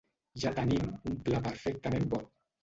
Ja tenim un pla perfectament bo.